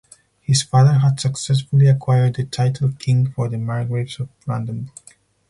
His father had successfully acquired the title King for the margraves of Brandenburg.